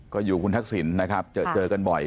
ก็อยู่คุณทักษิณนะครับเจอกันบ่อย